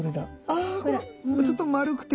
あこのちょっと丸くて。